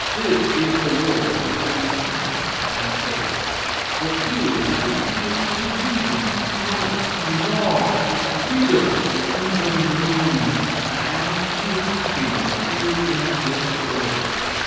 This is the war between Science and Faith. The few have appealed to reason, to honor, to law, to freedom, to the known, and to happiness here in this world.